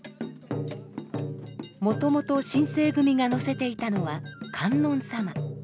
もともと新盛組が乗せていたのは観音様。